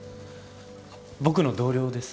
あっ僕の同僚です。